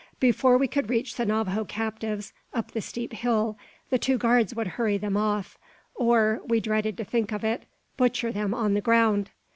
Before we could reach the Navajo captives, up the steep hill, the two guards would hurry them off; or (we dreaded to think of it) butcher them on the ground!